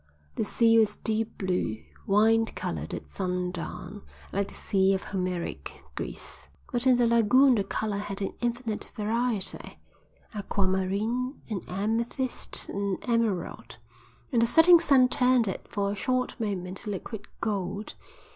The sea was deep blue, wine coloured at sundown, like the sea of Homeric Greece; but in the lagoon the colour had an infinite variety, aquamarine and amethyst and emerald; and the setting sun turned it for a short moment to liquid gold.